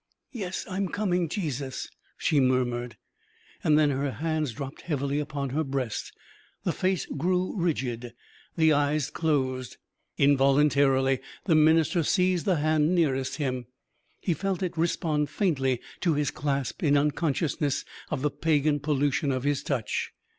"Yes, I am coming ... Jesus," she murmured. Then her hands dropped heavily upon her breast; the face grew rigid, the eyes closed. Involuntarily the minister seized the hand nearest him. He felt it respond faintly to his clasp in unconsciousness of the pagan pollution of his touch.